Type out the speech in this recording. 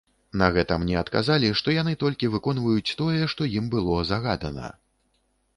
На гэта мне адказалі, што яны толькі выконваюць тое, што ім было загадана.